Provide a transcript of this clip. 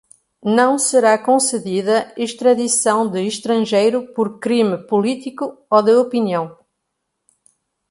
não será concedida extradição de estrangeiro por crime político ou de opinião;